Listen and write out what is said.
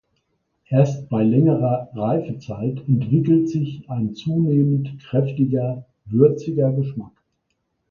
Erst bei längerer Reifezeit entwickelt sich ein zunehmend kräftiger, würziger Geschmack.